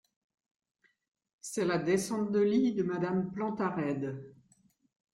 C’est la descente de lit de Madame Plantarède.